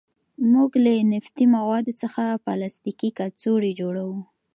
موږ له نفتي موادو څخه پلاستیکي کڅوړې جوړوو.